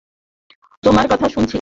তোমারই কথা শুনছি।